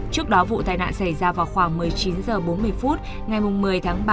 trước đó vụ tai nạn xảy ra vào khoảng một mươi chín h bốn mươi phút ngày một mươi tháng ba